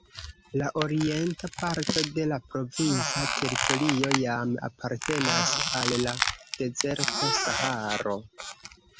La orienta parto de la provinca teritorio jam apartenas al la dezerto Saharo.